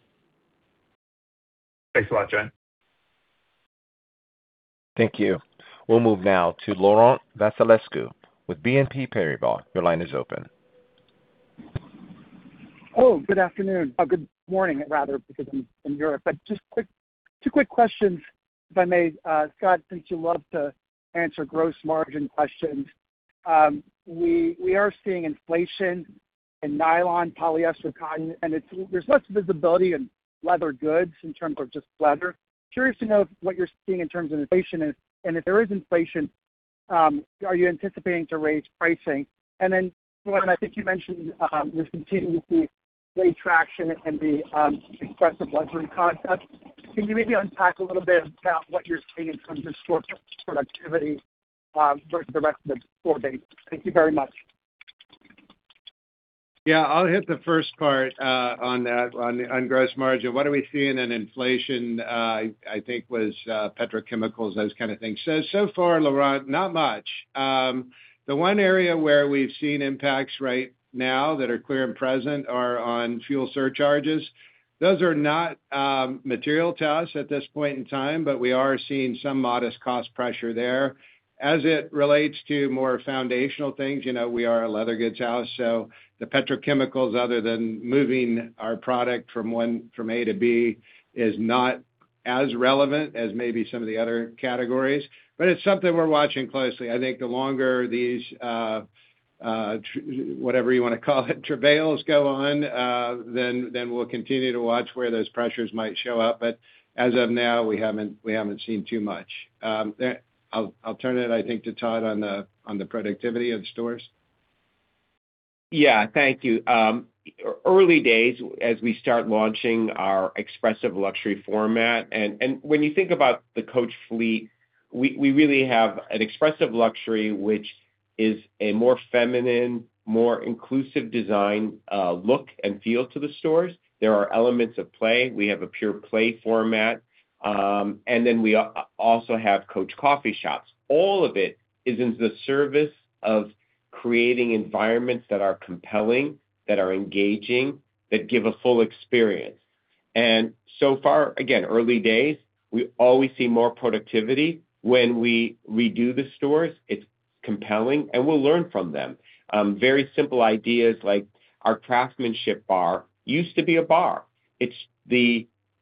Thanks a lot, Joanne. Thank you. We'll move now to Laurent Vasilescu with BNP Paribas. Your line is open. Good afternoon. Good morning, rather, because I'm in Europe. Just two quick questions, if I may. Scott, since you love to answer gross margin questions, we are seeing inflation in nylon, polyester, cotton, and there's less visibility in leather goods in terms of just leather. Curious to know what you're seeing in terms of inflation and if there is inflation, are you anticipating to raise pricing? [Joanne], I think you mentioned, you're continuing to see great traction in the expressive luxury concept. Can you maybe unpack a little bit about what you're seeing in terms of store productivity versus the rest of the store base? Thank you very much. Yeah. I'll hit the first part on that, on gross margin. What are we seeing in inflation, I think was petrochemicals, those kind of things. So far, Laurent, not much. The one area where we've seen impacts right now that are clear and present are on fuel surcharges. Those are not material to us at this point in time, but we are seeing some modest cost pressure there. As it relates to more foundational things, you know, we are a leather goods house, so the petrochemicals, other than moving our product from A to B, is not as relevant as maybe some of the other categories. It's something we're watching closely. I think the longer these whatever you wanna call it, travails go on, then we'll continue to watch where those pressures might show up. As of now, we haven't seen too much. I'll turn it, I think, to Todd on the productivity of the stores. Yeah. Thank you. Early days as we start launching our expressive luxury format. When you think about the Coach fleet, we really have an expressive luxury, which is a more feminine, more inclusive design, look and feel to the stores. There are elements of play. We have a pure play format. We also have Coach coffee shops. All of it is in the service of creating environments that are compelling, that are engaging, that give a full experience. Again, early days, we always see more productivity when we redo the stores. It's compelling, we'll learn from them. Very simple ideas like our craftsmanship bar used to be a bar.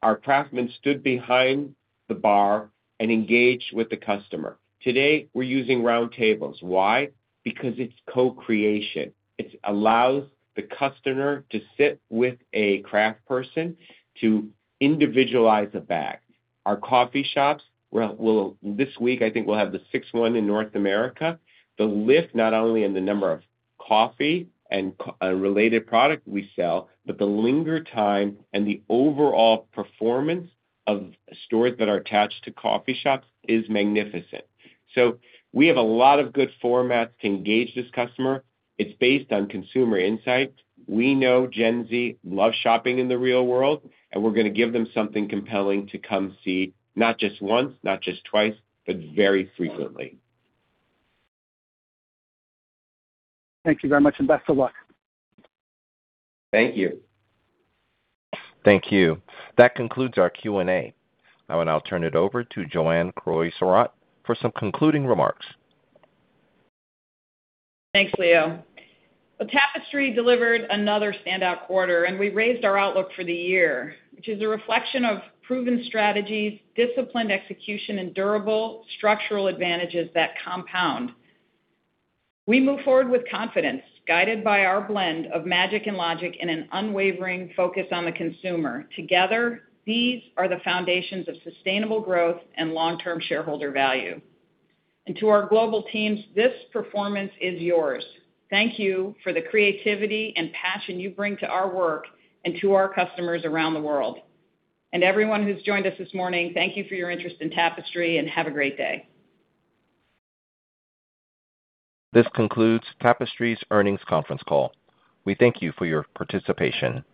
Our craftsman stood behind the bar and engaged with the customer. Today, we're using round tables. Why? Because it's co-creation. It allows the customer to sit with a craft person to individualize a bag. Our coffee shops this week, I think we'll have the sixth one in North America. The lift not only in the number of coffee and related product we sell, but the linger time and the overall performance of stores that are attached to coffee shops is magnificent. We have a lot of good formats to engage this customer. It's based on consumer insight. We know Gen Z love shopping in the real world, we're gonna give them something compelling to come see not just one, not just twice, but very frequently. Thank you very much, and best of luck. Thank you. Thank you. That concludes our Q&A. I'll turn it over to Joanne Crevoiserat for some concluding remarks. Thanks, Leo. Well, Tapestry delivered another standout quarter, and we raised our outlook for the year, which is a reflection of proven strategies, disciplined execution, and durable structural advantages that compound. We move forward with confidence, guided by our blend of magic and logic and an unwavering focus on the consumer. Together, these are the foundations of sustainable growth and long-term shareholder value. To our global teams, this performance is yours. Thank you for the creativity and passion you bring to our work and to our customers around the world. Everyone who's joined us this morning, thank you for your interest in Tapestry, and have a great day. This concludes Tapestry's earnings conference call. We thank you for your participation.